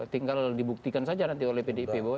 tinggal dibuktikan saja nanti oleh pdip bahwa